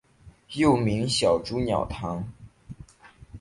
又名小朱鸟汤。